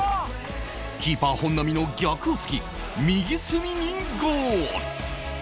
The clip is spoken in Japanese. キーパー本並の逆をつき右隅にゴール